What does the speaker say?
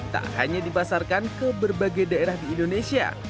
tak hanya dipasarkan ke berbagai daerah di indonesia